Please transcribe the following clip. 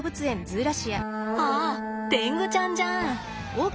あテングちゃんじゃん。